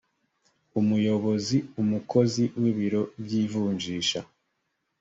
umuyobozi umukozi w ibiro by ivunjisha